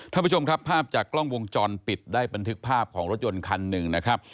ท่านผู้ชมครับภาพจากกล้องวงจรปิดได้บันทึกภาพของรถยนต์คันหนึ่งนะครับ